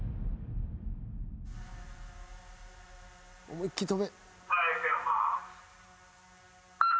思いっ切り飛べ。